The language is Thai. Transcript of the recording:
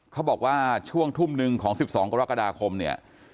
เขาบอกว่าช่วงทุ่มหนึ่งของ๑๒กรกฎาคมเนี่ย